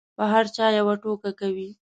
په هر چا یوه ټوکه کوي.